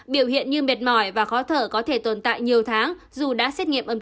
biểu hiện như mệt mỏi và khó thở có thể tồn tại nhiều tháng dù đã xét nghiệm âm tính